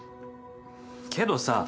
けどさ。